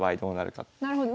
なるほど。